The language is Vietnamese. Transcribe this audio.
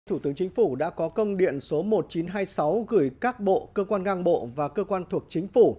thủ tướng chính phủ đã có công điện số một nghìn chín trăm hai mươi sáu gửi các bộ cơ quan ngang bộ và cơ quan thuộc chính phủ